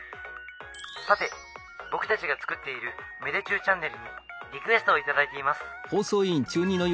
さて僕たちが作っている芽出中チャンネルにリクエストを頂いています」。